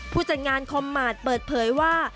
ผู้จัดงานคอมมาตรเปิดเผยว่า